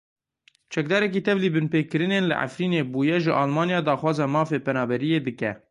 Çekdarekî tevlî binpêkirinên li Efrînê bûye ji Almanya daxwaza mafê penaberiyê dike.